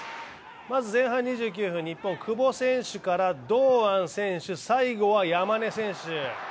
まず前半２９分、日本は久保選手から堂安選手、最後は山根選手。